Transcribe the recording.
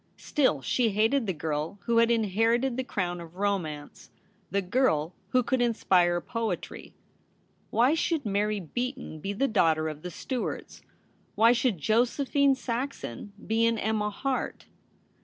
Still she hated the girl w^ho had inherited the crown of romance — the girl who could inspire poetry. Why should INlary Beaton be the daughter of the Stuarts ? Why should Josephine Saxon be an Emma Harte